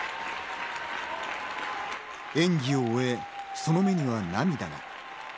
演技を終え、その目には涙が。